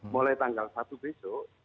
mulai tanggal satu besok